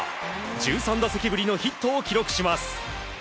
１３打席ぶりのヒットを記録します。